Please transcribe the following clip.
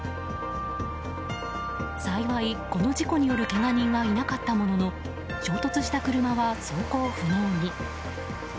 幸い、この事故によるけが人はいなかったものの衝突した車は走行不能に。